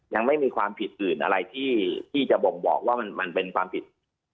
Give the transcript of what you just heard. ยังไม่มีความผิดอื่นอะไรที่จะบ่งบอกว่ามันเป็นความผิด